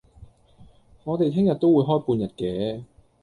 我哋聽日都會開半日嘅